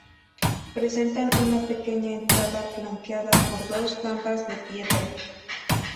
Presentan una pequeña entrada flanqueada por dos jambas de piedra.